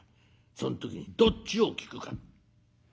その時にどっちを聞くか。